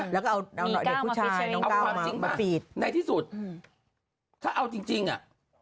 แล้วก็เอาเด็กผู้ชายเอาความจริงมาในที่สุดถ้าเอาจริงอ่ะ